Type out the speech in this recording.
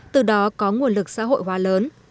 từ đó có nguồn lực xã hội hóa lớn